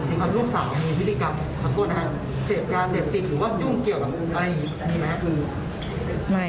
ถ้าลูกสาวมีวิธีกรรมทั้งต้นนะครับเศรษฐ์การเศรษฐ์ติดหรือว่ายุ่งเกี่ยวกับอะไรอย่างนี้มีไหม